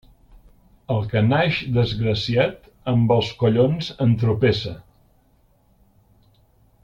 El que naix desgraciat, amb els collons entropessa.